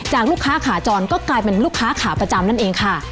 ลูกค้าขาจรก็กลายเป็นลูกค้าขาประจำนั่นเองค่ะ